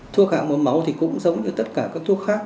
thuốc hạ mỡ máu thì cũng giống như tất cả các thuốc khác